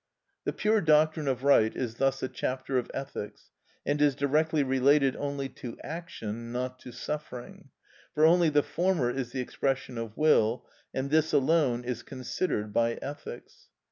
The pure doctrine of right is thus a chapter of ethics, and is directly related only to action, not to suffering; for only the former is the expression of will, and this alone is considered by ethics.